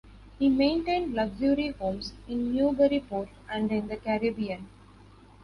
He maintained luxury homes in Newburyport and in the Caribbean.